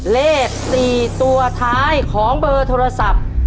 เลข๔ตัวท้ายของเบอร์โทรศัพท์